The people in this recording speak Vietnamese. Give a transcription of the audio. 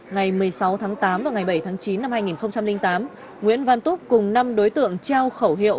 ngày một mươi sáu tháng tám và ngày bảy tháng chín năm hai nghìn tám nguyễn văn túc cùng năm đối tượng trao khẩu hiệu